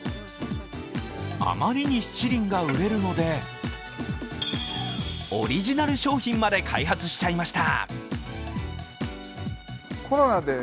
あまりに七輪が売れるので、オリジナル商品まで開発しちゃいました。